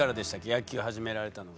野球始められたのが。